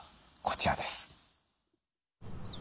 こちらです。